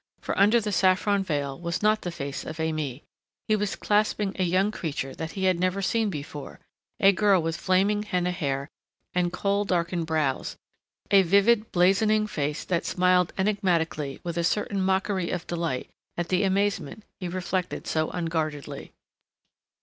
For under the saffron veil was not the face of Aimée. He was clasping a young creature that he had never seen before, a girl with flaming henna hair and kohl darkened brows, a vivid blazoning face that smiled enigmatically with a certain mockery of delight at the amazement he reflected so unguardedly.